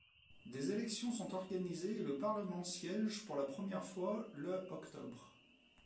Des élections sont organisées et le Parlement siège pour la première fois le octobre.